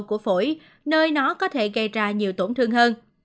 của phổi nơi nó có thể gây ra nhiều tổn thương hơn